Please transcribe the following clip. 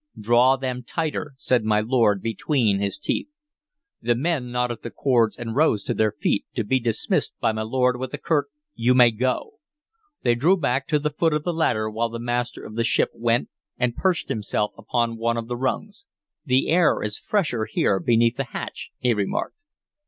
"Draw them tighter," said my lord, between his teeth. The men knotted the cords, and rose to their feet, to be dismissed by my lord with a curt "You may go." They drew back to the foot of the ladder, while the master of the ship went and perched himself upon one of the rungs. "The air is fresher here beneath the hatch," he remarked.